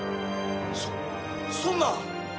そそんな！